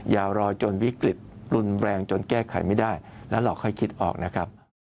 อย่ารอจนวิกฤตรุนแรงจนแก้ไขไม่ได้แล้วเราค่อยคิดออกนะครับ